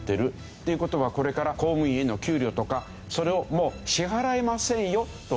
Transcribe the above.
っていう事はこれから公務員への給料とかそれをもう支払えませんよという。